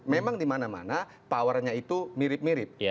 memang di mana mana powernya itu mirip mirip